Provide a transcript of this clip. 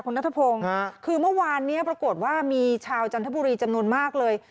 คุณนัทพงศ์คือเมื่อวานนี้ปรากฏว่ามีชาวจันทบุรีจำนวนมากเลย